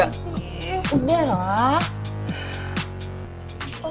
gak sih udah lah